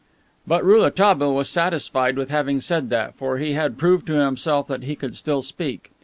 But Rouletabille was satisfied with having said that, for he had proved to himself that he could still speak.